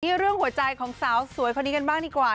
เรื่องหัวใจของสาวสวยคนนี้กันบ้างดีกว่า